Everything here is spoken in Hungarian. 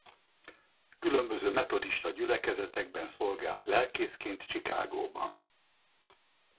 Különböző metodista gyülekezetekben szolgált lelkészként Chicagóban.